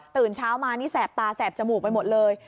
ตื่นเช้ามานี่แสบตาแสบจมูกไปหมดเลย